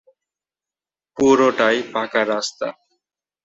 পুরোটাই পাকা রাস্তা।